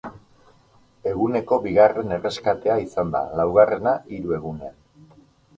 Eguneko bigarren erreskatea izan da, laugarrena hiru egunean.